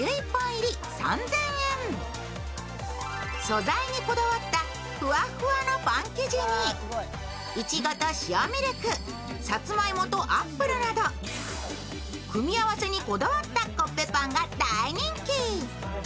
素材にこだわったふわふわのパン生地にいちごと塩ミルク、さつまいもとアップルなど組み合わせにこだわったコッペパンが大人気。